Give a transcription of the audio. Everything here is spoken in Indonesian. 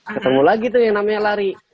ketemu lagi tuh yang namanya lari